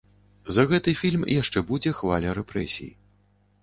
За гэты фільм яшчэ будзе хваля рэпрэсій.